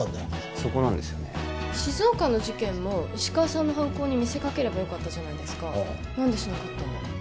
そこなんですよね静岡の事件も石川さんの犯行に見せかければよかった何でしなかったんだろ